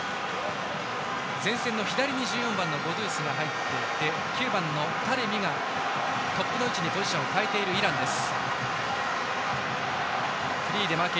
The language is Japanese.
前線の左にゴドゥースが入っていて９番のタレミがトップの位置にポジションを変えているイランです。